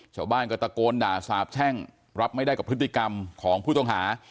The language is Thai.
ชาวบ้านก็ตะโกนด่าสาบแช่งรับไม่ได้กับพฤติกรรมของผู้ต้องหา